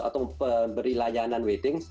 atau beri layanan weddings